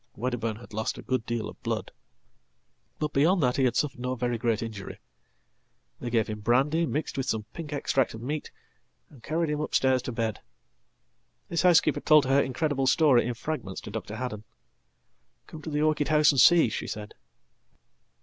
Wedderburn had lost a good deal of blood, but beyond that he had sufferedno very great injury. They gave him brandy mixed with some pink extract ofmeat, and carried him upstairs to bed. His housekeeper told her incrediblestory in fragments to Dr. Haddon. "Come to the orchid house and see," shesaid.